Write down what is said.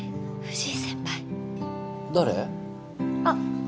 あっ。